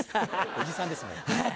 おじさんですもん。